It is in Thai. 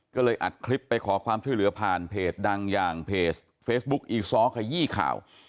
ก็เลยอัดคลิปไปขอความช่วยเหลือผ่านเพจดังอย่างเพจเฟซบุ๊คอีซ้อขยี้ข่าว